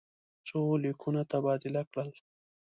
څو لیکونه تبادله کړل.